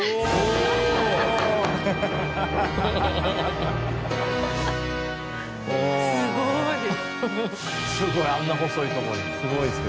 すごい。